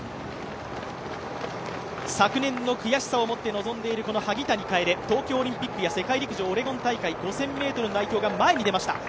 昨年の悔しさをもって望んでいる萩谷楓、東京オリンピックや世界陸上オレゴン大会、５０００ｍの代表が前に出ました。